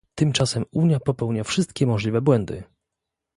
Tymczasem Unia popełnia wszystkie możliwe błędy